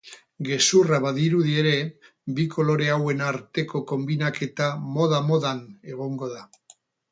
Gezurra badirudi ere, bi kolore hauen arteko konbinaketa moda-modan egongo da.